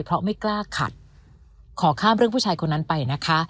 เพราะไม่กล้าขัดขอข้ามเรื่องผู้ชายคนนั้นไปนะคะ